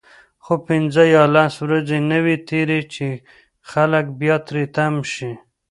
خو پنځه یا لس ورځې نه وي تیرې چې خلک بیا تری تم شي.